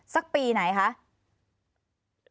สักปีไหนคะ